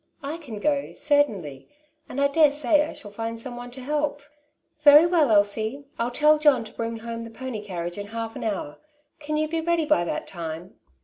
I can go certainly, and I daresay I shall find some one to help." " Very well, Elsie. I'll tell John to bring home the pony carriage in half an hour. Can you be ready by that time